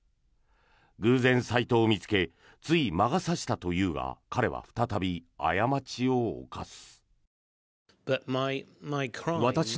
偶然、サイトを見つけつい魔が差したというが彼は再び、過ちを犯す。